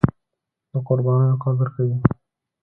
د قربانیو قدر کوي.